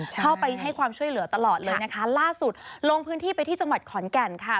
เข้าไปให้ความช่วยเหลือตลอดเลยนะคะล่าสุดลงพื้นที่ไปที่จังหวัดขอนแก่นค่ะ